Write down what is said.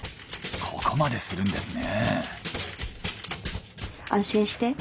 ここまでするんですね。